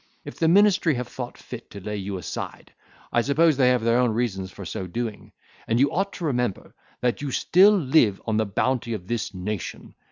If the ministry have thought fit to lay you aside, I suppose they have their own reasons for so doing; and you ought to remember, that you still live on the bounty of this nation.